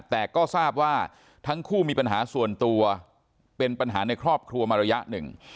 แต่ก็ทราบว่าทั้งคู่มีปัญหาส่วนตัวเป็นปัญหาในครอบครัวมาระยะหนึ่ง